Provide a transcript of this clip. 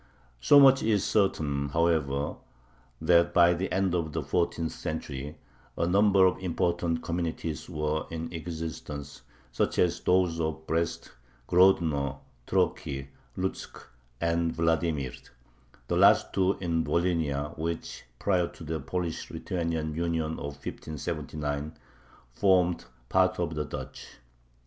So much is certain, however, that by the end of the fourteenth century a number of important communities were in existence, such as those of Brest, Grodno, Troki, Lutzk, and Vladimir, the last two in Volhynia, which, prior to the Polish Lithuanian Union of 1579, formed part of the Duchy.